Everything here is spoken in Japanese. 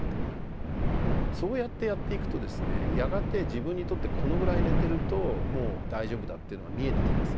そうやってやっていくとですねやがて自分にとってこのぐらい寝てるともう大丈夫だっていうのが見えてきます。